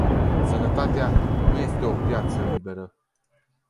Sănătatea nu este o piață liberă.